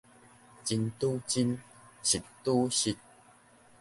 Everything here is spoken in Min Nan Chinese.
真拄真，實拄實